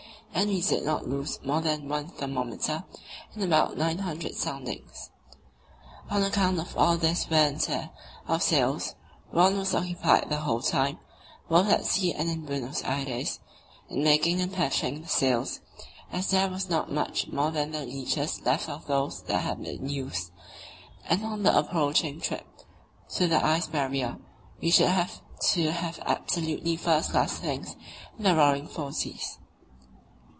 And we did not lose more than one thermometer in about nine hundred soundings. On account of all this wear and tear of sails Rönne was occupied the whole time, both at sea and in Buenos Aires, in making and patching sails, as there was not much more than the leeches left of those that had been used, and on the approaching trip (to the Ice Barrier) we should have to have absolutely first class things in the "Roaring Forties."